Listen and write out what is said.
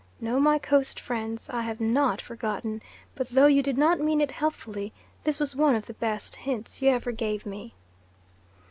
No, my Coast friends, I have NOT forgotten but though you did not mean it helpfully, this was one of the best hints you ever gave me.